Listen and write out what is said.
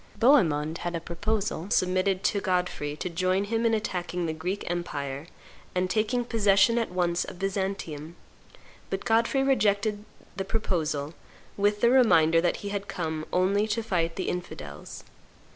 Bohemond had a proposal submitted to Godfrey to join him in attacking the Greek empire and taking possession at once of Byzantium; but Godfrey rejected the proposal, with the reminder that he had come only to fight the infidels.